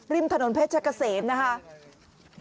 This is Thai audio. ริมถนนเพชรกะเสมนะครับ